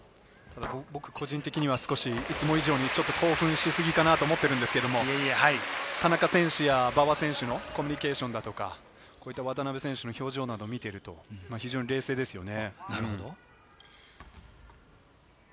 個人的にはいつも以上にちょっと興奮し過ぎかなと思ってるんですけど、田中選手や馬場選手のコミュニケーションだとか、渡邊選手の表情を見ていると、非常に冷静ですよね。